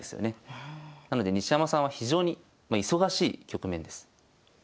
なので西山さんは非常に忙しい局面です。